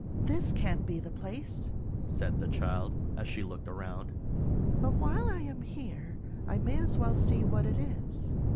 "This can't be the place," said the child, as she looked around; "but while I am here I may as well see what it is."